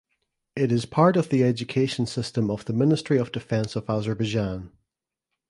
It is part of the education system of the Ministry of Defense of Azerbaijan.